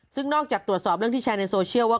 ซึ่งนอกจากตรวจสอบเรื่องที่แชร์ในโซเชียลว่า